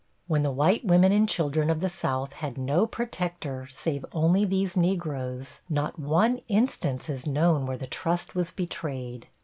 When the white women and children of the South had no protector save only these Negroes, not one instance is known where the trust was betrayed.